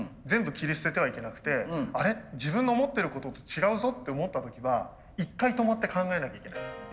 全部切り捨ててはいけなくて「あれ？自分の思ってることと違うぞ」って思った時は一回止まって考えなきゃいけない。